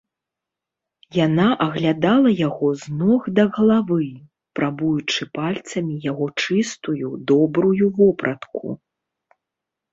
Яна аглядала яго з ног да галавы, прабуючы пальцамі яго чыстую, добрую вопратку.